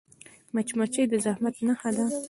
مچمچۍ د زحمت نښه ده